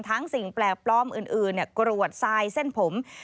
สิ่งแปลกปลอมอื่นกรวดทรายเส้นผม